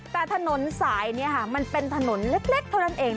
แต่ถนนสายนี้ค่ะมันเป็นถนนเล็กเท่านั้นเอง